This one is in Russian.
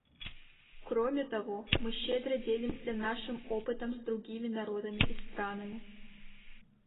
Кроме того, мы щедро делимся нашим опытом с другими народами и странами.